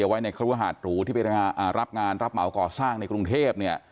ไว้ในครัวหาดหรูที่ไปรับงานรับเหมาก่อสร้างในกรุงเทพเนี่ย